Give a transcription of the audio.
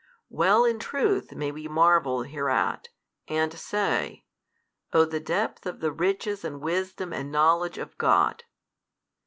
Well in truth may we marvel hereat, and say, O the depth of the riches and wisdom and knowledge of God!